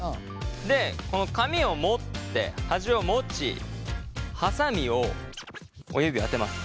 でこの紙を持って端を持ちハサミを親指あてます。